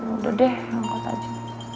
udah deh angkat aja